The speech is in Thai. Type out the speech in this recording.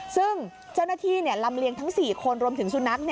ซึ่งเจ้าหน้าที่ลำเลียงทั้ง๔คนรวมถึงสุนัข